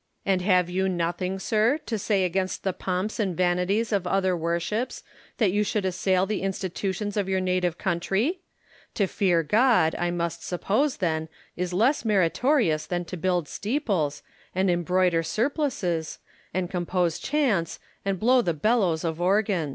And have you nothing, sir, to say against the pomps and vanities of other worships, that you should assail the institutions of your native country ? To fear God, I must suppose, then, is less meritorious than to build steeples, and embroider suplices, and compose chants, and blow the bellows of organs. Hume.